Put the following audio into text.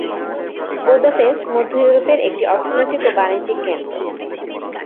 Budapest মধ্য ইউরোপের একটি অর্থনৈতিক ও বাণিজ্যিক কেন্দ্র।